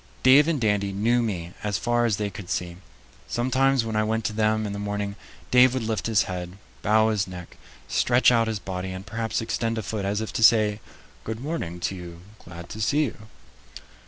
Dave and Dandy knew me as far as they could see; sometimes when I went to them in the morning, Dave would lift his head, bow his neck, stretch out his body, and perhaps extend a foot, as if to say, "Good morning to you; glad to see you."